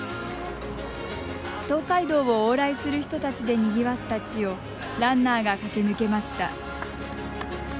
東海道を往来する人たちでにぎわった地をランナーが駆け抜けました。